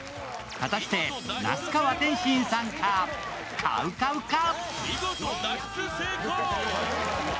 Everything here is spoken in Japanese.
果たして那須川天心さんかＣＯＷＣＯＷか。